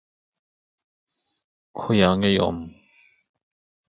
Afterwards, Yves Leterme led his second government.